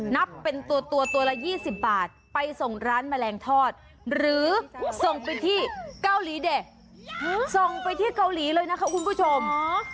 นับเป็นตัวตัวละ๒๐บาทไปส่งร้านแมลงทอดหรือส่งไปที่เกาหลีเดะส่งไปที่เกาหลีเลยนะคะคุณผู้ชม